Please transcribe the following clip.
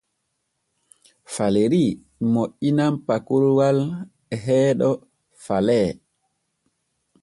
Faleri moƴƴinan pakoroowal e heeɗo Falee.